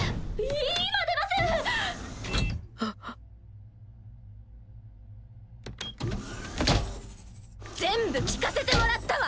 ピッ全部聞かせてもらったわ。